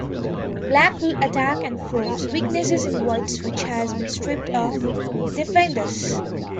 Black will attack and force weaknesses in White's which has been stripped of defenders.